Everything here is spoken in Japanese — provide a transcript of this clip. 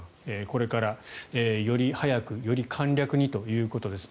これから、より早くより簡略にということです。